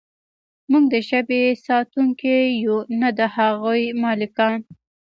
موږ د ژبې ساتونکي یو نه د هغې مالکان.